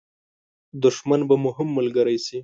دښمن به مو هم ملګری شي.